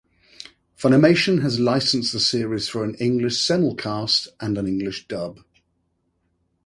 Funimation has licensed the series for an English simulcast and an English dub.